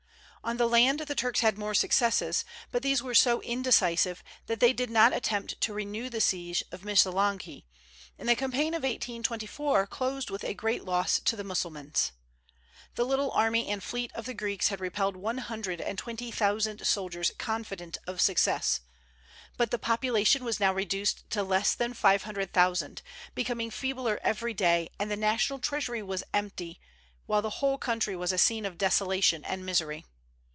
On the land the Turks had more successes; but these were so indecisive that they did not attempt to renew the siege of Missolonghi, and the campaign of 1824 closed with a great loss to the Mussulmans. The little army and fleet of the Greeks had repelled one hundred and twenty thousand soldiers confident of success; but the population was now reduced to less than five hundred thousand, becoming feebler every day, and the national treasury was empty, while the whole country was a scene of desolation and misery.